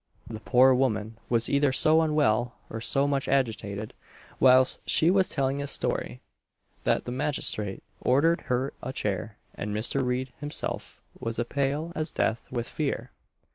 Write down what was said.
The poor woman was either so unwell, or so much agitated, whilst she was telling this story, that the magistrate ordered her a chair, and Mr. Reid himself was pale as death with fear!